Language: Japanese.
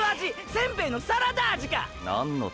せんべいのサラダ味か！！